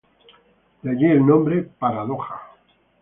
De allí el nombre "paradoxa".